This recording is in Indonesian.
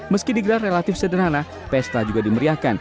meski digelar relatif sederhana pesta juga dimeriahkan